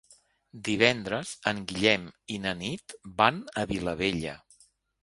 Divendres en Guillem i na Nit van a Vilabella.